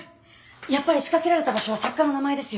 やっぱり仕掛けられた場所は作家の名前ですよ。